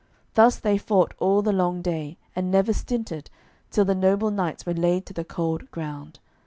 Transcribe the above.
Thus they fought all the long day, and never stinted, till the noble knights were laid to the cold ground.